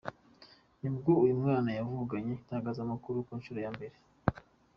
nibwo uyu mwana yavuganye nitangazamakuru ku nshuro ya mbere.